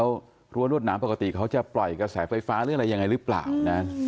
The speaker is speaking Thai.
เพราะว่ารวดน้ำปกติเขาจะปล่อยกับแสไฟฟ้าหรืออะไรยังไงหรือเปล่านะ